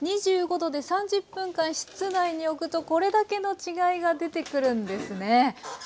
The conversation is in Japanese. ２５℃で３０分間室内におくとこれだけの違いが出てくるんですね。